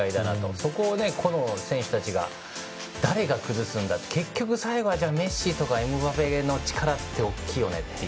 そこで、個の選手たちが誰が崩すんだと結局メッシとかエムバペの力は大きいよねという。